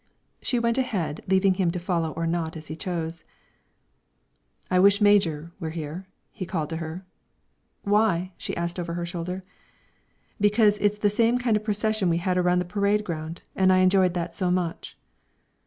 She went ahead, leaving him to follow or not as he chose. "I wish Major was here," he called to her. "Why?" she asked, over her shoulder. "Because it's the same kind of a procession we had around the parade ground, and I enjoyed that so much."